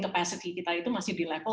kepasegi kita itu masih di level